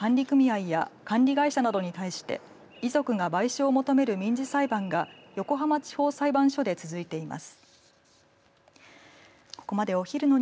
事故を巡ってはマンションの管理組合や管理会社などに対して遺族が賠償を求める民事裁判が横浜地方裁判所で続いています。